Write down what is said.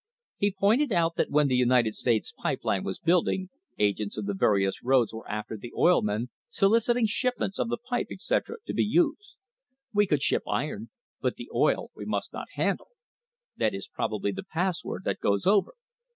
He pointed out that when the United States Pipe Line was building, agents of various roads were after the oil men soliciting shipments of the pipe, etc., to be used. "We could ship iron, but the oil we must not handle. That is probably the password that goes over."